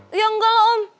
eh ya engga lah om